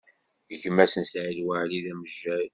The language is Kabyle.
Gma-s n Saɛid Waɛli, d amejjay.